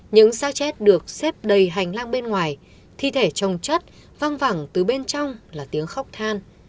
những xác chết được xếp đầy hành lang bên ngoài thi thể trong chất văng vẳng từ bên trong là tiếng khóc than